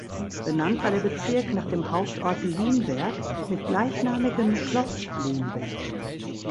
Benannt war der Bezirk nach dem Hauptort Liemberg mit gleichnamigem Schloss Liemberg.